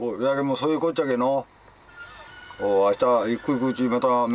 そういうこっちゃけの。